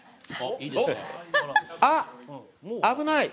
あ、危ない。